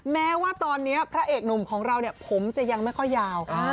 แม้ว่าตอนนี้พระเอกหนุ่มของเราเนี่ยผมจะยังไม่ค่อยยาว